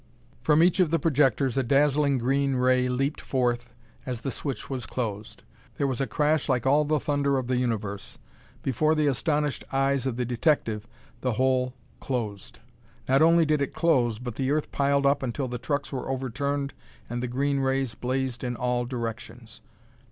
From each of the projectors a dazzling green ray leaped forth as the switch was closed. There was a crash like all the thunder of the universe. Before the astonished eyes of the detective, the hole closed. Not only did it close but the earth piled up until the trucks were overturned and the green rays blazed in all directions.